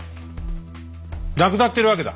なくなってるわけだ。